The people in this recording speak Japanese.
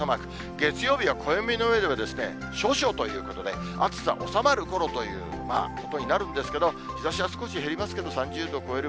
月曜日は暦の上では処暑ということで、暑さ収まるころということになるんですけれども、日ざしは少し減りますけれども、３０度超える